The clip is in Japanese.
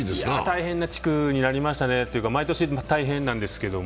大変な地区になりましたねというか、毎年、大変なんですけど。